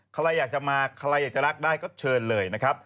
ใครอยากจะมาใครอยากจะรักได้ก็เชิญเลยนะครับ